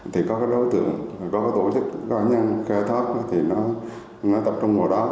thì có đối tượng có tổ chức có nhân khai thác thì nó tập trung vào đó